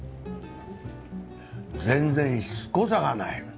全然いいしつこさがない。